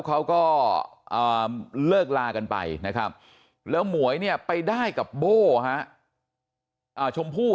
เขาก็เลิกลากันไปนะครับแล้วหมวยเนี่ยไปได้กับโบ้ชมพู่